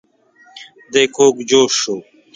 دی کوږ جوش شو.